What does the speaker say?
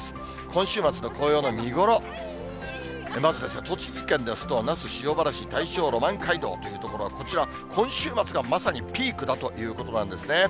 今週末の紅葉の見頃、まず栃木県ですと、那須塩原市、大正浪漫街道という所が、こちら、今週末がまさにピークだということなんですね。